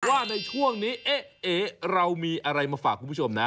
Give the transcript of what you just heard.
ว่าในช่วงนี้เอ๊ะเรามีอะไรมาฝากคุณผู้ชมนะ